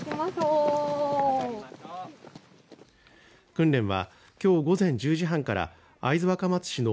訓練は、きょう午前１０時半から会津若松市の